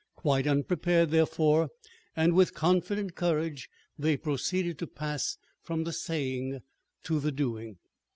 Quite unprepared, therefore, and with confident courage, they proceeded to pass from the saying to the doing.